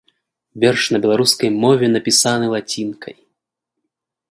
Верш на беларускай мове напісаны лацінкай.